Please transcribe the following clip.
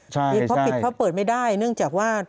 ยังพอปิดพอเปิดไม่ได้เนื่องจากว่า